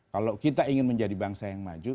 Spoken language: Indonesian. kalau kita ingin menjadi bangsa yang maju